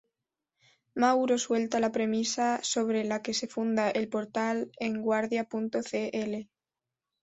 Mauro suelta la premisa sobre la que se funda el portal "EnGuardia.cl".